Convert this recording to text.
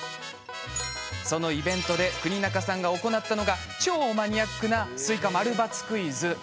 そのイベントで國中さんが行ったのが超マニアックな「すいか」○×クイズ。